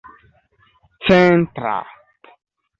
centra